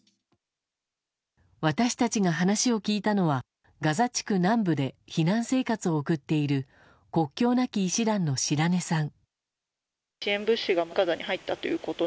私たちが話を聞いたのはガザ地区南部で避難生活を送っている国境なき医師団の白根さん。